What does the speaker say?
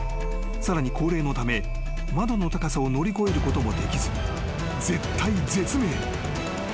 ［さらに高齢のため窓の高さを乗り越えることもできず絶体絶命］